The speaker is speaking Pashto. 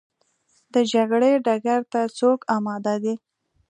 د جګړې ډګر ته څوک اماده دي؟